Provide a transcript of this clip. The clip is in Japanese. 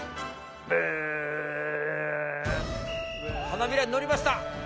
花びらにのりました！